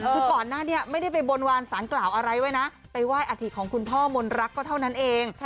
คือก่อนหน้านี้ไม่ได้ไปบนวานสารกล่าวอะไรไว้นะไปไหว้อาถิของคุณพ่อมนรักก็เท่านั้นเอง